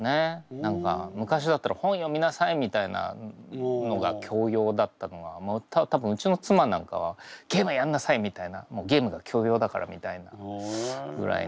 何か昔だったら「本読みなさい」みたいなのが教養だったのが多分うちの妻なんかは「ゲームやんなさい」みたいなゲームが教養だからみたいな。ぐらいの。